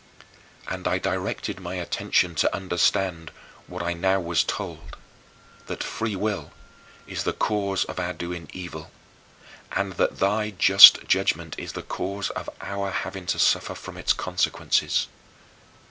5. And I directed my attention to understand what I now was told, that free will is the cause of our doing evil and that thy just judgment is the cause of our having to suffer from its consequences.